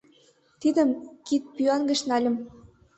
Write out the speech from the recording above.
Тудым кидпӱан гыч нальыч